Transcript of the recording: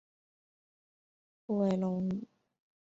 虎尾垄语之语音经过一连串的音变及合并过程。